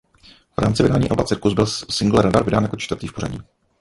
V rámci vydání alba Circus byl singl Radar vydán jako čtvrtý v pořadí.